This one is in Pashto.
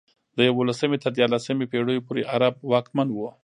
د یولسمې تر دیارلسمې پېړیو پورې عرب واکمن وو.